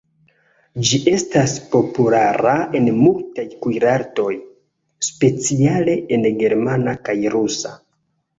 Ĝi estas populara en multaj kuirartoj, speciale en germana kaj rusa.